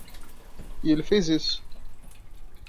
E ele fez isso.